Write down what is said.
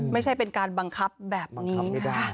ไม่ใช่เป็นการบังคับแบบนี้นะคะ